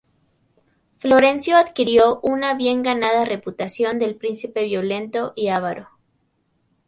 Florencio adquirió una bien ganada reputación de príncipe violento y avaro.